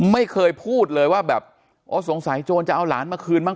ไม่เคยพูดเลยว่าแบบโอ้สงสัยโจรจะเอาหลานมาคืนบ้าง